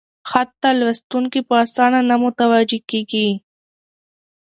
خط ته لوستونکي په اسانه نه متوجه کېږي: